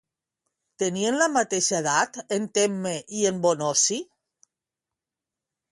Tenien la mateixa edat, en Temme i en Bonosi?